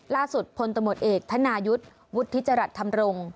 ล่าสุดพลตำรวจเอกธนายุทธ์วุฒิจรัสธรรมรงค์